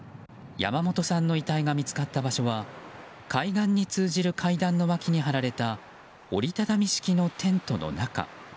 山本さんの遺体が見つかった場所は海岸に通じる階段の脇に張られた折り畳み式のテントの中。